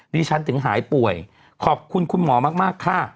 ดิฉันถึงหายป่วยขอบคุณคุณหมอมากค่ะ